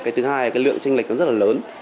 cái thứ hai là cái lượng tranh lệch nó rất là lớn